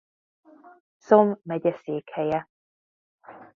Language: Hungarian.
Somme megye székhelye.